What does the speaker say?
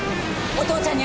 お父ちゃんに！